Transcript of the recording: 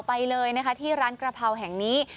ไปเลยนะคะที่ร้านกระเพราแห่งนี้